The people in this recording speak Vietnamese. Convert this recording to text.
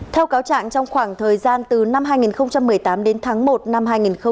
theo cáo trạng trong khoảng thời gian từ năm hai nghìn một mươi tám đến tháng một năm hai nghìn một mươi chín